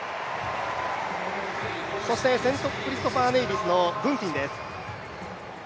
そしてセントクリストファー・ネイビスのブンティンです。